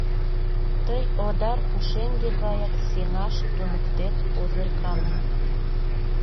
Тый одар пушеҥге гаяк сеҥаш туныктет озырканым.